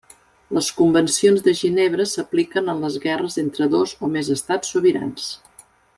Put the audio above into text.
Les Convencions de Ginebra s'apliquen en les guerres entre dos o més estats sobirans.